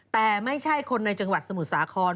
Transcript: แต่ไม่ใช่คนในจังหวัดสมุทรสาคร